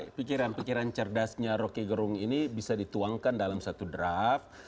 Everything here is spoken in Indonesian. pikiran pikiran cerdasnya roky gerung ini bisa dituangkan dalam satu draft